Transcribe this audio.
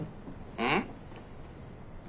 うん？